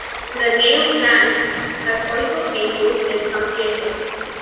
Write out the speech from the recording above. The name "Ranx" has also been used in some cases.